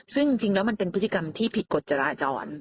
ซึ่งจริงแล้วมันเป็นพฤติกรรมที่ผิดกฎจราจร